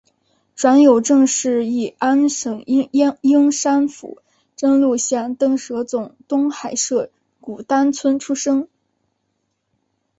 阮有政是乂安省英山府真禄县邓舍总东海社古丹村出生。